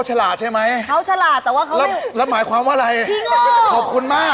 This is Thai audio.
ขอเชิญพัวทองคำ